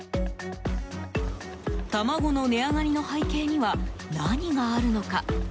卵の値上がりの背景には何があるのか？